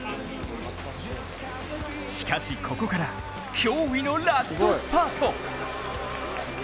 しかし、ここから驚異のラストスパート。